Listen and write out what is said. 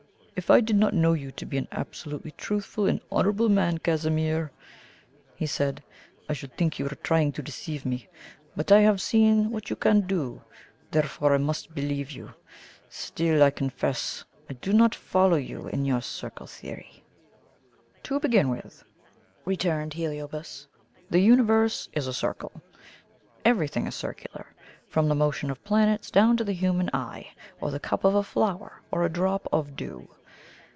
"If I did not know you to be an absolutely truthful and honourable man, Casimir," he said, "I should think you were trying to deceive me. But I have seen what you can do, therefore I must believe you. Still I confess I do not follow you in your circle theory." "To begin with," returned Heliobas, "the Universe is a circle. Everything is circular, from the motion of planets down to the human eye, or the cup of a flower, or a drop of dew.